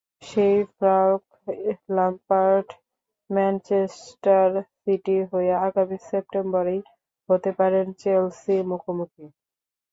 সেই Frank Lampard Manchester সিটির হয়ে আগামী সেপ্টেম্বরেই হতে পারেন চেলসির মুখোমুখি।